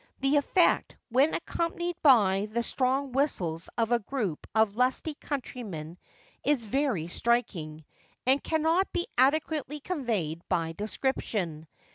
The effect, when accompanied by the strong whistles of a group of lusty countrymen, is very striking, and cannot be adequately conveyed by description.